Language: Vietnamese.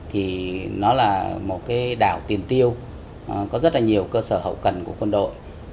thì nó là một đảo tiền tiêu có rất nhiều cơ sở hậu cần của quân đội